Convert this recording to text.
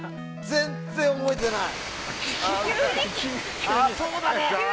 全然、覚えてない。